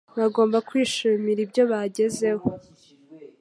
bagomba kwishimira ibyo bagezeho.